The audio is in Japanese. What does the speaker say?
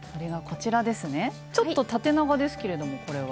ちょっと縦長ですけれどもこれは。